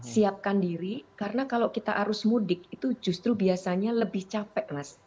siapkan diri karena kalau kita arus mudik itu justru biasanya lebih capek mas